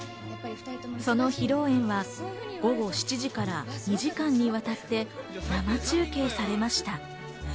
その披露宴は午後７時から２時間にわたって生中継されました。